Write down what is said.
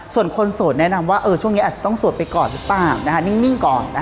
ส่วนคนโสดแนะนำว่าช่วงนี้อาจจะต้องโสดไปก่อนหรือเปล่านิ่งก่อน